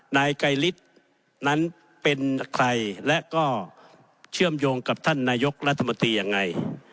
นายไกรฤทธิ์นั้นเป็นใครและก็เชื่อมโยงกับท่านนายกรัฐมนตรียังไง